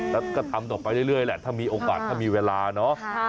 แล้วก็ทำต่อไปเรื่อยแหละถ้ามีโอกาสถ้ามีเวลาเนาะ